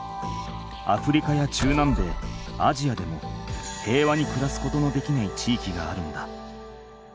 アフリカや中南米アジアでも平和に暮らすことのできない地域があるんだ。